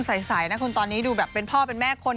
ใสนะคุณตอนนี้ดูแบบเป็นพ่อเป็นแม่คน